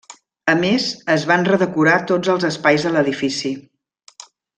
A més, es van redecorar tots els espais de l'edifici.